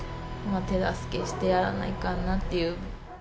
手助けしてやらないかんなっていう。